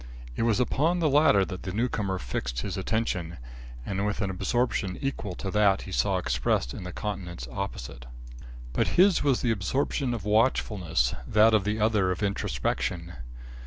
It was upon the latter that the newcomer fixed his attention, and with an absorption equal to that he saw expressed in the countenance opposite. But his was the absorption of watchfulness; that of the other of introspection.